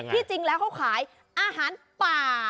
ที่จริงแล้วเขาขายอาหารป่า